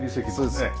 そうです。